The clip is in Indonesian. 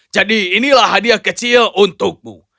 jadi inilah hadiah kecil untukmu